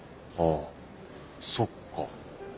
あそっか。